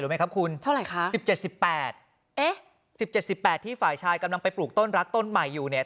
เท่าไหร่ครับคุณ๑๗๑๘ที่ฝ่ายชายกำลังไปปลูกต้นรักต้นใหม่อยู่เนี่ย